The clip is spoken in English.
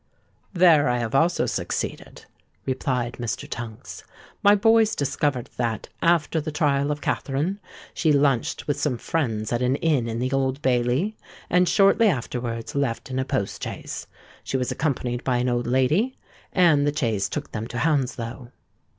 "There I have also succeeded," replied Mr. Tunks. "My boys discovered that, after the trial of Katherine, she lunched with some friends at an inn in the Old Bailey, and shortly afterwards left in a post chaise. She was accompanied by an old lady; and the chaise took them to Hounslow."